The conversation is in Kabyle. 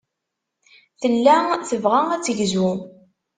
Tella tebɣa ad tegzu.